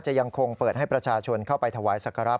ยังคงเปิดให้ประชาชนเข้าไปถวายสักการะ